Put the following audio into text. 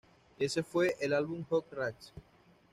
Y ese fue el álbum Hot Rats.